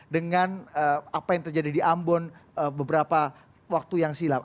dengan apa yang terjadi di ambon beberapa waktu yang silam